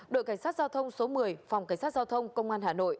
đội cảnh sát giao thông số một mươi phòng cảnh sát giao thông công an hà nội